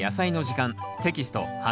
テキスト８